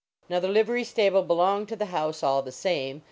Now, the livery stable belonged to the house, all the same.